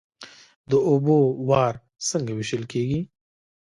د اوبو وار څنګه ویشل کیږي؟